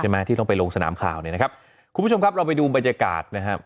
ที่ต้องไปลงสนามข่าวเนี่ยนะครับคุณผู้ชมครับเราไปดูบรรยากาศนะครับ